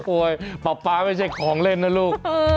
ป๊าป๊าไม่ใช่ของเล่นนะลูก